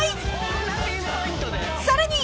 ［さらに］